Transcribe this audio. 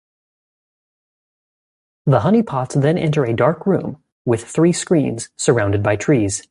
The honey pots then enter a dark room with three screens surrounded by trees.